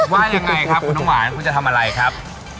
ว่ายังไงครับคุณน้ำหวานคุณจะทำอะไรครับ